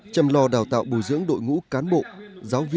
chăm lo đào tạo bùi dưỡng đội ngũ cán bộ